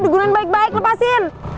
digunain baik baik lepasin